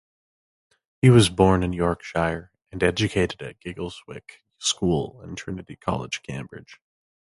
He was born in Yorkshire, and educated at Giggleswick School and Trinity College, Cambridge.